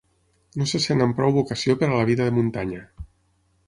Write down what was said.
No se sent amb prou vocació per a la vida de muntanya.